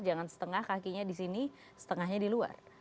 jangan setengah kakinya di sini setengahnya di luar